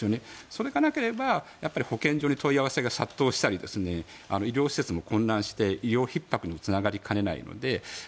それがなければ保健所に問い合わせが殺到したり医療施設も混乱して医療ひっ迫にもつながりかねないので